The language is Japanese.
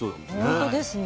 ほんとですね。